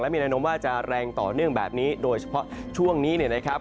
มีแนวโน้มว่าจะแรงต่อเนื่องแบบนี้โดยเฉพาะช่วงนี้เนี่ยนะครับ